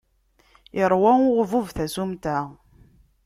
Iṛwa uɣbub tasumta.